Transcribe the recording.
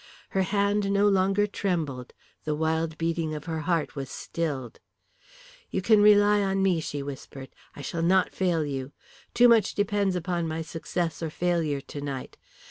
Her hand no longer trembled, the wild beating of her heart was stilled. "You can rely upon me," she whispered. "I shall not fail you. Too much depends upon my success or failure tonight.